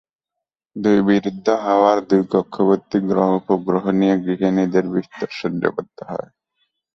দুই বিরুদ্ধ হাওয়ার দুইকক্ষবর্তী গ্রহ-উপগ্রহ নিয়ে গৃহিণীদের বিস্তর সহ্য করতে হয়।